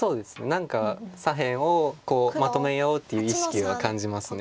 何か左辺をまとめようっていう意識が感じます。